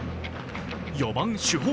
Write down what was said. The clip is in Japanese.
４番主砲